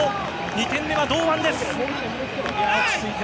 ２点目は堂安です！